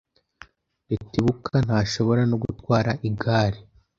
Rutebuka ntashobora no gutwara igare.